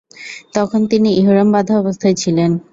তখন তিনি ইহরাম বাঁধা অবস্থায় ছিলেন।